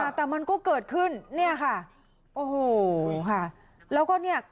แต่มันก็เกิดขึ้นเนี่ยค่ะโอ้โหค่ะแล้วก็เนี่ย